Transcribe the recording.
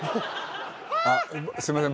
あっすいません